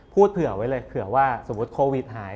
พูดเผื่อไหวเลยเผื่อว่าเวียดหาย